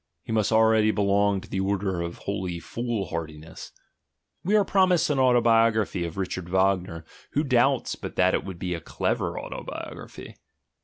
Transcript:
He must already belong to the Order of Holy Foolhardiness. We are promised an auto biography of Richard Wagner; who doubts but that it would be a clever autobiography?